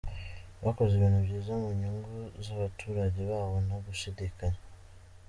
Bakoze ibintu byiza mu nyungu z’abaturage babo nta gushidikanya.